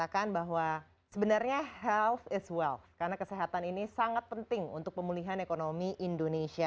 karena kesehatan ini sangat penting untuk pemulihan ekonomi indonesia